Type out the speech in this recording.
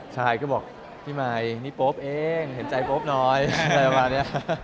ใช่ก็บอกพี่มายนี่โป๊ปเองเห็นใจโป๊ปหน่อยประมาณเนี่ย